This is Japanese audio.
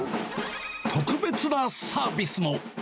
特別なサービスも。